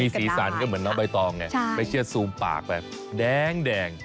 สีสันก็เหมือนน้องใบตองไงไม่เชื่อซูมปากแบบแดง